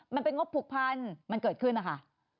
มันเป็นงบผูกพันมันเกิดขึ้นนะคะ